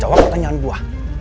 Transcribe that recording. jawab pertanyaan gue